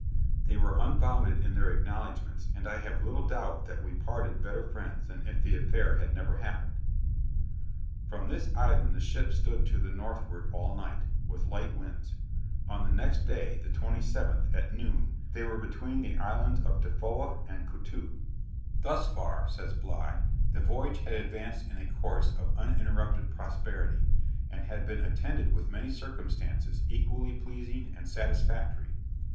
They were unbounded in their acknowledgements; and I have little doubt but that we parted better friends than if the affair had never happened.' From this island the ship stood to the northward all night, with light winds; and on the next day, the 27th, at noon, they were between the islands Tofoa and Kotoo. 'Thus far,' says Bligh, 'the voyage had advanced in a course of uninterrupted prosperity, and had been attended with many circumstances equally pleasing and satisfactory.